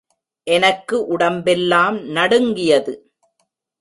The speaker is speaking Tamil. எனக்கு உடம்பெல்லாம் நடுங்கியது.